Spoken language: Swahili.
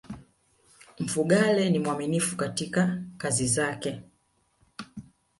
mfugale ni mwaminifu katika kazi zake